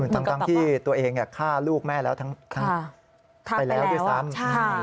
ทั้งที่ตัวเองฆ่าลูกแม่แล้วด้วยซ้ำ